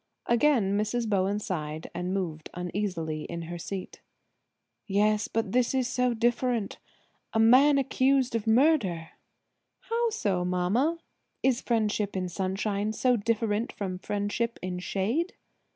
Again Mrs. Bowen sighed and moved uneasily in her seat. "Yes; but this is so different–a man accused of murder." "How so, mamma? Is friendship in sunshine so different from friendship in shade?"